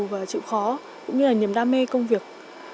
và chịu khó cũng như là niềm đam mê công việc